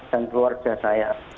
dan keluarga saya